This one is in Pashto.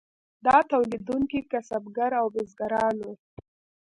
دا تولیدونکي کسبګر او بزګران وو.